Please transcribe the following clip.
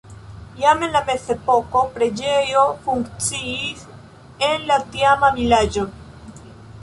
Jam en la mezepoko preĝejo funkciis en la tiama vilaĝo.